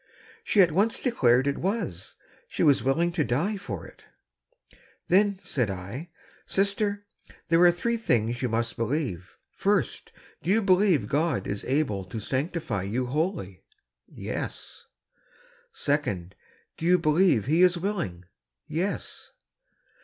She at once declared it was ; she was willing to die for it. " Then," said I, '' sister, there are three things you must believe. First, do you believe God is able to sanctify you wholly?" Yes." "Second. Do you believe He is willing?" "Yes."